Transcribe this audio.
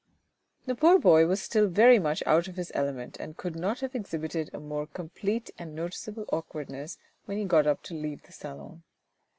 The poor boy was still very much out of his element, and could not have exhibited a more complete and noticeable awkwardness when he got up to leave the salon.